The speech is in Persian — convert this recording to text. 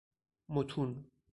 متون